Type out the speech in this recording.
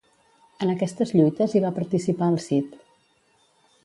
En aquestes lluites hi va participar el Cid.